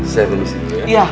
saya beli sendiri ya